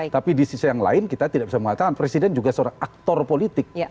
tapi di sisi yang lain kita tidak bisa mengatakan presiden juga seorang aktor politik